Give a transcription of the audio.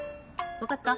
分かった？